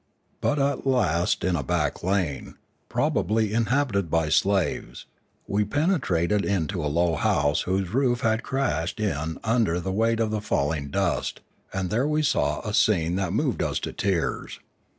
But at last in a back lane, probably inhabited by slaves, we pene trated into a low house whose roof had crashed in under the weight of the falling dust, and there we saw a scene that moved us to tears.